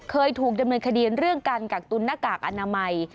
เคยถูกดำเนินคดีเรื่องการกักตุนหน้ากากอนามัย